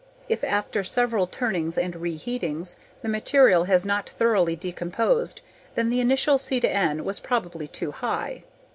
If, after several turnings and reheatings, the material has not thoroughly decomposed, then the initial C/N was probably too high.